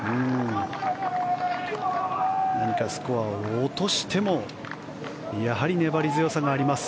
スコアを落としてもやはり、粘り強さがあります。